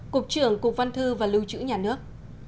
cục trưởng cục văn thư và lưu trữ nhà nước